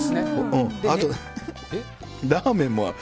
あと、ラーメンもある。